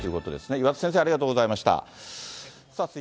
岩田先生、ありがとうございました。